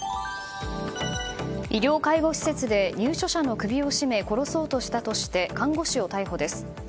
医療・介護施設で入所者の首を絞め殺そうとしたとして看護師を逮捕です。